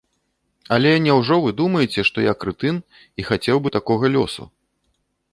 Але няўжо вы думаеце, што я крэтын і хацеў бы такога лёсу?